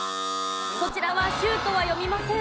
そちらは「しゅう」とは読みません。